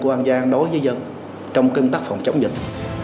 an giang đối với dân trong cân tắc phòng chống dịch